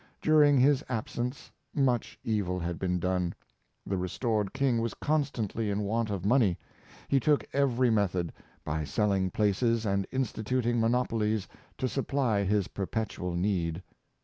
During his ab sence much evil had been done. The restored king 19 290 MarvelPs Integrity, was constantly in want of money. He took every method, by selling places and instituting monopolies, to supply his perpetual need.